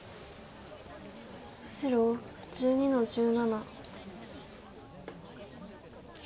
白１２の十七。